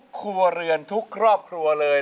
ครัวเรือนทุกครอบครัวเลย